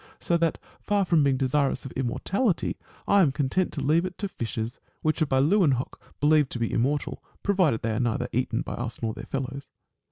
So that, far from being desirous of immortality, I am content to leave it to fishes, which are by Leeuwenhoek believed to be immortal, provided they are neither eaten by us nor their fellows.